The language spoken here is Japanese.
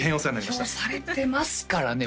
実況されてますからね